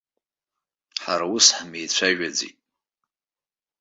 Ҳара ус ҳмеицәажәаӡеит.